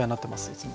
いつも。